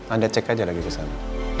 anda cek aja lagi sesuatu